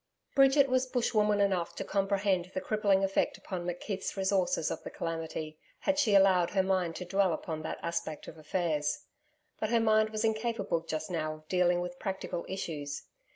Bridget was bushwoman enough to comprehend the crippling effect upon McKeith's resources of the calamity, had she allowed her mind to dwell upon that aspect of affairs. But her mind was incapable just now of dealing with practical issues.